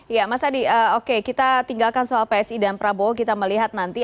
iya mas adi oke kita tinggalkan soal psi dan prabowo kita melihat nanti